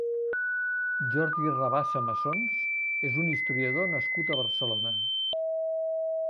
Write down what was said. Jordi Rabassa Massons és un historiador nascut a Barcelona.